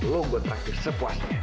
lo gue traktir sepuasnya